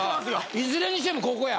いずれにしてもここや。